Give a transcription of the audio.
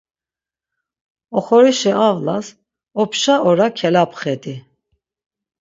Oxorişi avlas opşa ora kelapxedi.